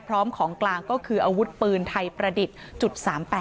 พร้อมของกลางก็คืออาวุธปืนไทยประดิษฐ์จุด๓๘